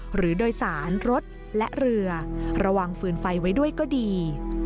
หรือโดยสารรถและเรือระวังฟืนไฟไว้ด้วยก็ดี